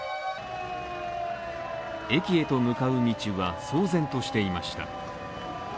駅へと向かう道は騒然としていました。